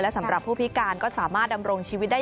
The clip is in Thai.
สำหรับผู้พิการก็สามารถดำรงชีวิตได้